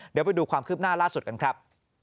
เดี๋ยวไปดูความคืบหน้าล่าสุดกันครับ